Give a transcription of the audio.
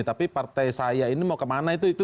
tapi partai saya ini mau kemana itu